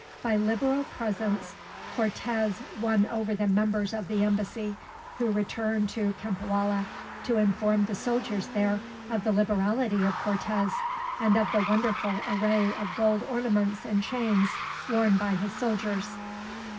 By liberal presents Cortez won over the members of the embassy, who returned to Cempoalla to inform the soldiers there of the liberality of Cortez, and of the wonderful array of gold ornaments and chains worn by his soldiers.